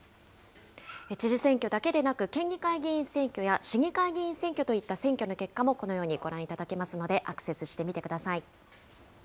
知事選挙だけでなく、県議会議員選挙や市議会議員選挙といった選挙の結果も、このようにご覧いただけますので、アクセスしてみてください。